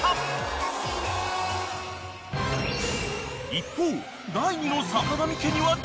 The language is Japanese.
［一方］